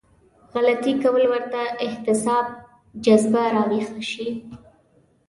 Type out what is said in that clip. غلطي کول ورته د احتساب جذبه راويښه شي.